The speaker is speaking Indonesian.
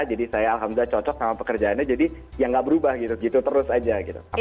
jadi saya alhamdulillah cocok sama pekerjaannya jadi ya tidak berubah gitu terus saja